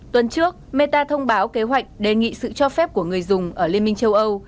tuần trước meta thông báo kế hoạch đề nghị sự cho phép của người dùng ở liên minh châu âu